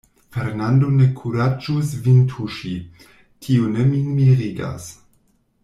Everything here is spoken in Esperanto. Fernando ne kuraĝus vin tuŝi, tio ne min mirigas.